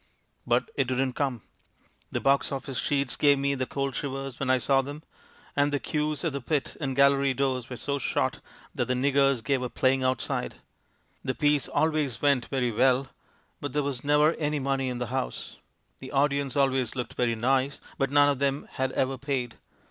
But it didn't come. The box office sheets gave me the cold shivers when I saw them, and the queues at the pit and gallery doors were so short that the 'niggers' gave up playing outside. The piece 64 THE MAN WHO UNDERSTOOD WOMEN always went very well, but there was never any money in the house ; the audience always looked very nice, but none of them had ever paid.